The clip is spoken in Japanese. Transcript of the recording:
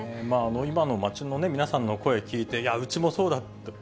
今の街の皆さんの声聞いて、いやー、うちもそうだって。